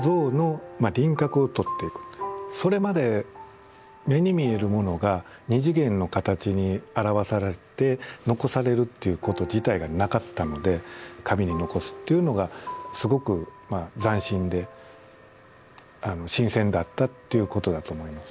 それまで目に見えるものが二次元の形に表されて残されるっていうこと自体がなかったので紙に残すっていうのがすごく斬新で新鮮だったっていうことだと思います。